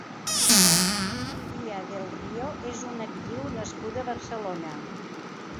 Iria del Río és una actriu nascuda a Barcelona.